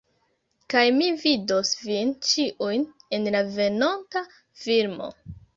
Kaj mi vidos vin ĉiujn en la venonta filmo.